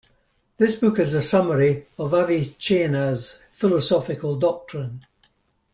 This book is the summary of Avicenna's philosophical doctrine.